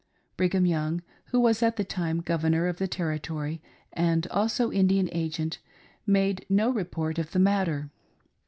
Brigham Young, who was at the time Governor of the Territory and also Indian Agent, made no report of the matter.